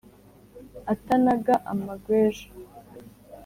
Atanaga amagweja